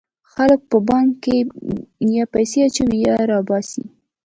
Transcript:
خلک په بانک کې یا پیسې اچوي یا یې را باسي.